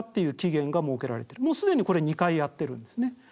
もう既にこれ２回やってるんですね。